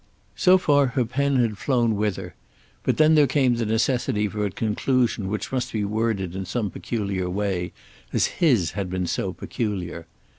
So far her pen had flown with her, but then there came the necessity for a conclusion which must be worded in some peculiar way, as his had been so peculiar.